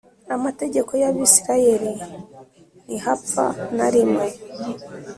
Amategeko y Abisirayeli ntihapfa na rimwe